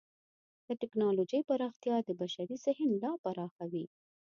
د ټکنالوجۍ پراختیا د بشري ذهن لا پراخوي.